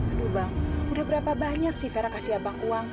aduh bang udah berapa banyak sih vera kasih abang uang